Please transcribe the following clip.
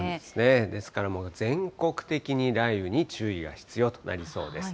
ですからもう、全国的に雷雨に注意が必要となりそうです。